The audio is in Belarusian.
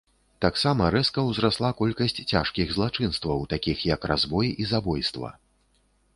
Таксама рэзка ўзрасла колькасць цяжкіх злачынстваў, такіх як разбой і забойства.